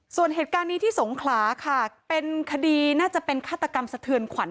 ส่วนเหตุการณ์นี้ที่สงขลาค่ะเป็นคดีน่าจะเป็นฆาตกรรมสะเทือนขวัญ